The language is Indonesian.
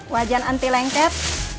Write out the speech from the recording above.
wajan anti lengket